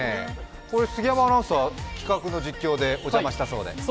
杉山アナウンサー、企画の実況でお邪魔したそうで。